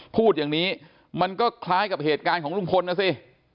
พูดอย่างนี้มันก็คล้ายกับเหตุการณ์ของลุงพลนะสิ